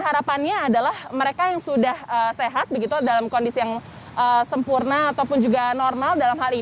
harapannya adalah mereka yang sudah sehat begitu dalam kondisi yang sempurna ataupun juga normal